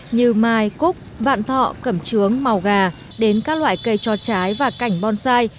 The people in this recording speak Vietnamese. như mai cúc vạn thọ cẩm trướng màu gà đến các loại cây cho trái và cảnh bonsai